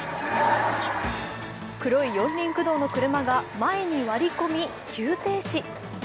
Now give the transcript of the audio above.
黒い四輪駆動の車が前に割り込み、急停止。